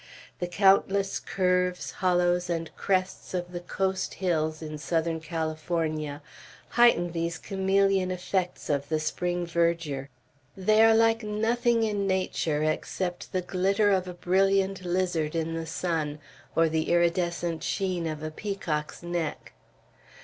The countless curves, hollows, and crests of the coast hills in Southern California heighten these chameleon effects of the spring verdure; they are like nothing in nature except the glitter of a brilliant lizard in the sun or the iridescent sheen of a peacock's neck.